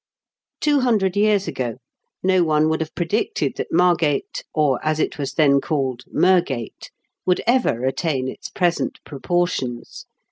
Two hundred years ago no one would have predicted that Margate, or, as it was then called, Mergate, would ever attain its present proportions.